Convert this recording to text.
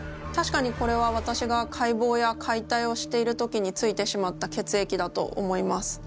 たしかにこれは私が解剖や解体をしている時についてしまった血液だと思います。